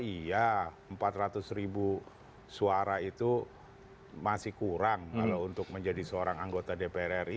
iya empat ratus ribu suara itu masih kurang kalau untuk menjadi seorang anggota dpr ri